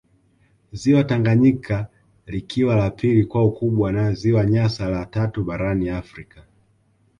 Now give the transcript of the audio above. Ziwa Tanganyika likiwa la pili kwa ukubwa na ziwa Nyasa la tatu barani Afrika